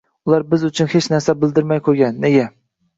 ular biz uchun hech narsani bildirmay qo‘ygan. Nega?